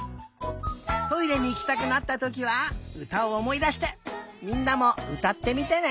トイレにいきたくなったときはうたをおもいだしてみんなもうたってみてね！